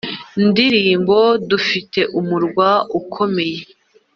ndirimbo: Dufite umurwa ukomeye